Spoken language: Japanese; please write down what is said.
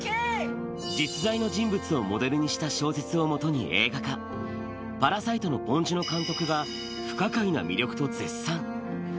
実在の人物をモデルにした小説をもとに、パラサイトのポン・ジュノ監督が不可解な魅力と絶賛。